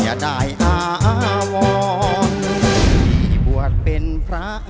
อย่าได้อาวรที่บวชเป็นพระ